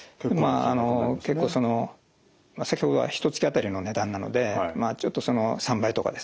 あの結構その先ほどはひとつきあたりの値段なのでまあちょっとその３倍とかですね